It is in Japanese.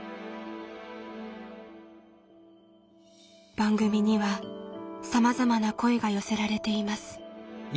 番組にはさまざまな声が寄せられています。